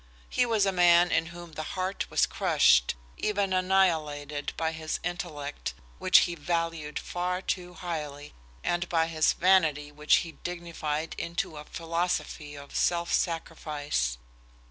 He was a man in whom the heart was crushed, even annihilated, by his intellect, which he valued far too highly, and by his vanity, which he dignified into a philosophy of self sacrifice.